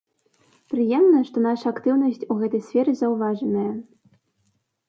Прыемна, што наша актыўнасць у гэтай сферы заўважаная.